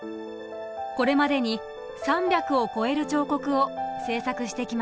これまでに３００を超える彫刻を制作してきました。